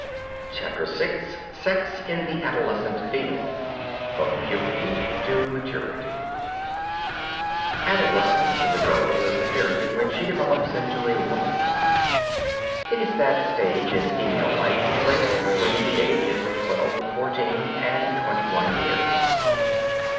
CHAPTER VI SEX IN THE ADOLESCENT FEMALE (FROM PUBERTY TO MATURITY) Adolescence in the girl is the period when she develops into a woman. It is that stage in female life embraced between the ages of twelve or fourteen and twenty one years.